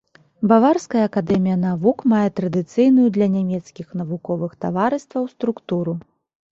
Баварская акадэмія навук мае традыцыйную для нямецкіх навуковых таварыстваў структуру.